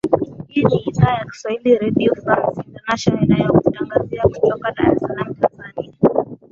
ii ni idhaa ya kiswahili redio france international inayokutangazia kutoka dar es salaam tanzania